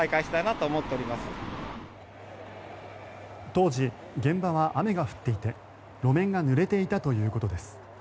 当時現場は雨が降っていて路面がぬれていたということです。